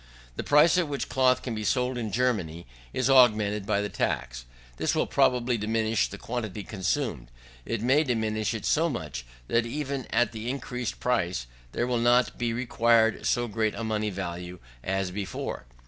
The price at which cloth can be sold in Germany is augmented by the tax. This will probably diminish the quantity consumed. It may diminish it so much, that even at the increased price, there will not be required so great a money value as before.